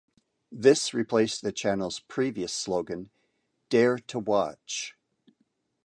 This replaced the channel's previous slogan "Dare To Watch".